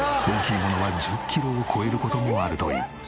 大きいものは１０キロを超える事もあるという。